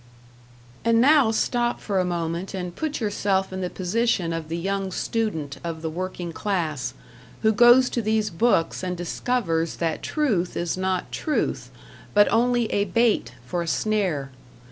And now stop for a moment and put yourself in the position of the young student of the working class, who goes to these books and discovers that truth is not truth, but only a bait for a snare.